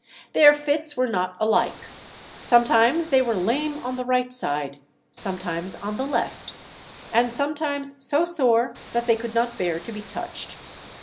Their fits were not alike. Sometimes they were lame on the right side; sometimes on the left; and sometimes so sore, that they could not bear to be touched.